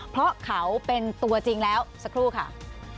เพราะเขาเป็นตัวจริงแล้วสักครู่ค่ะ